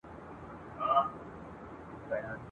ږغ ته د انصاف به د زندان هتکړۍ څه وايي ..